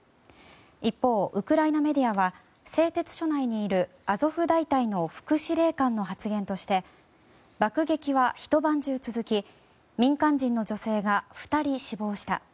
一方、ウクライナメディアは製鉄所内にいるアゾフ大隊の副司令官の話として爆撃は、ひと晩中続き民間人の女性が２人死亡した。